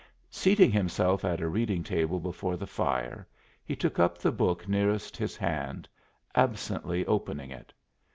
Seating himself at a reading table before the fire, he took up the book nearest his hand, absently opening it.